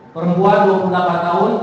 perempuan dua puluh delapan tahun